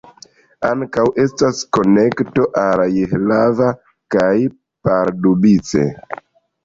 Ankaŭ estas konekto al Jihlava kaj Pardubice.